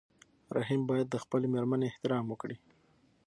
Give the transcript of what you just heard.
رحیم باید د خپلې مېرمنې احترام وکړي.